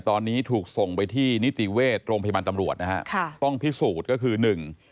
ตอนนี้ถูกส่งไปที่นิติเวชโรงพยาบาลตำรวจนะฮะค่ะต้องพิสูจน์ก็คือหนึ่ง